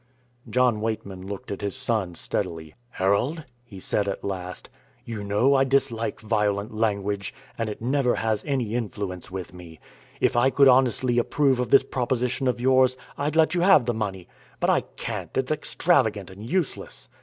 John Weightman looked at his son steadily. "Harold," he said at last, "you know I dislike violent language, and it never has any influence with me. If I could honestly approve of this proposition of yours, I'd let you have the money; but I can't; it's extravagant and useless.